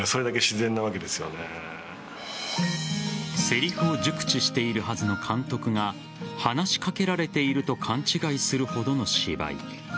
セリフを熟知しているはずの監督が話し掛けられていると勘違いするほどの芝居。